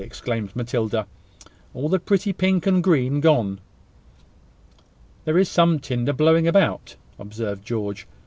exclaimed Matilda. "All the pretty pink and green gone!" "There is some tinder blowing about," observed George.